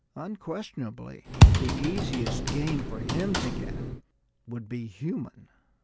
Unquestionably the easiest game for him to get would be human.